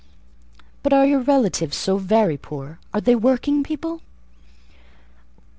"But are your relatives so very poor? Are they working people?"